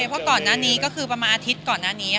ก็ก่อนหน้านนี้ที่เจ้าติดก่อนหน้านี้